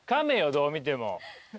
どう見ても。